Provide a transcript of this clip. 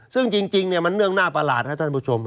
ซึ่งจริงมันเรื่องน่าประหลาดครับท่านผู้ชม